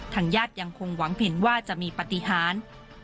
ทางญาติยังคงหวังเห็นว่าจะมีปฏิหาร